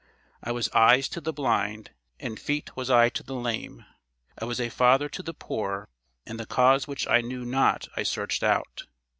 I was eyes to the blind, and feet was I to the lame. I was a father to the poor; and the cause which I knew not I searched out.